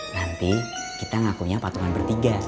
nanti kita ngakunya patungan bertiga